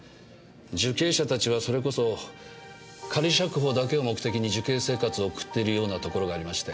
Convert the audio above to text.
受刑者たちはそれこそ仮釈放だけを目的に受刑生活を送っているようなところがありまして。